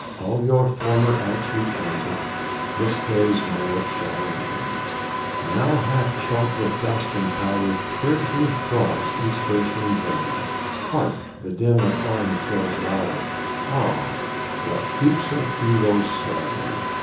All your former acts recounted This day's merit shall enhance. Now half choked with dust and powder, Fiercely throbs each bursting vein: Hark! the din of arms grows louder, Ah! what heaps of heroes slain!